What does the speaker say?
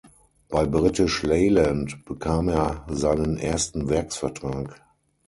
Bei British Leyland bekam er seinen ersten Werksvertrag.